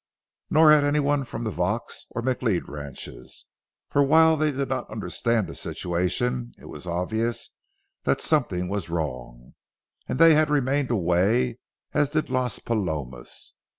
Nor had any one from the Vaux or McLeod ranches, for while they did not understand the situation, it was obvious that something was wrong, and they had remained away as did Las Palomas.